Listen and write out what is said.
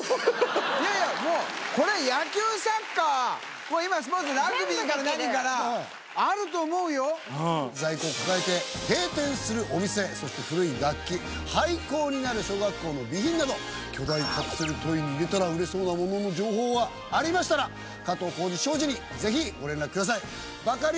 いやいや、もう、これ、野球、サッカー、今スポーツ、ラグビーから何から、あると思う在庫を抱えて閉店するお店、そして古い楽器、廃校になる小学校の備品など、巨大カプセルトイに入れたら売れそうなものの情報はありましたら、いつもの洗濯が